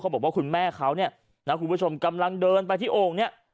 เขาบอกว่าคุณแม่เขาน้ำคุณผู้ชมกำลังเดินไปที่โอ่ง